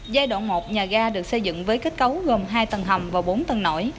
giai đoạn một nhà ga được xây dựng với kết cấu gồm hai tầng hầm và bốn tầng nổi